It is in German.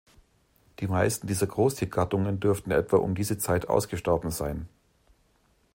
Die meisten dieser Großtier-Gattungen dürften etwa um diese Zeit ausgestorben sein.